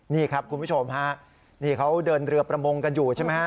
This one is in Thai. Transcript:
นี่ครับคุณผู้ชมฮะนี่เขาเดินเรือประมงกันอยู่ใช่ไหมฮะ